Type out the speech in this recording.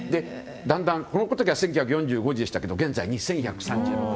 この時は１９４５字でしたけど現在は２１３６字。